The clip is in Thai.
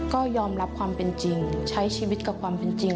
ก็ยอมรับความเป็นจริงใช้ชีวิตกับความเป็นจริง